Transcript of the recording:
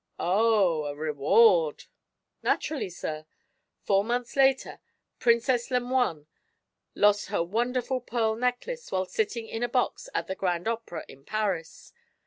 "Oh; a reward." "Naturally, sir. Four months later Princess Lemoine lost her wonderful pearl necklace while sitting in a box at the Grand Opera in Paris.